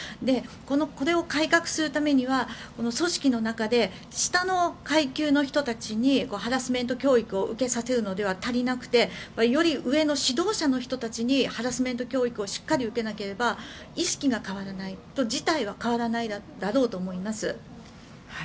これを改革するためには組織の中で下の階級の人たちにハラスメント教育を受けさせるのでは足りなくてより上の指導者の人たちがハラスメント教育をしっかり受けなければ意識が変わらないと事態が変わらないだろうと思います。